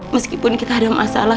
meskipun kita ada masalah